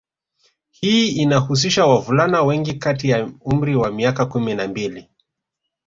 Hii inahusisha wavulana wengi kati ya umri wa miaka kumi na mbili